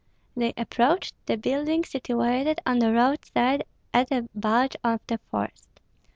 They approached the building situated on the roadside at a bulge of the forest.